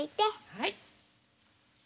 はい。